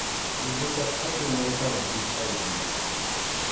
Unutaqa hatun mankaman hichʼaykuy.